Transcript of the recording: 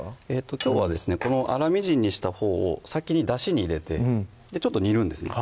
きょうはですねこの粗みじんにしたほうを先にだしに入れてちょっと煮るんですね